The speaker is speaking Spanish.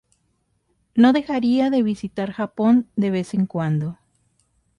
No dejaría de visitar Japón de vez en cuando.